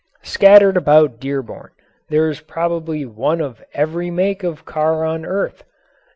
Scattered about Dearborn there is probably one of nearly every make of car on earth.